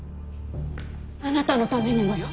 あなたのためにもよ。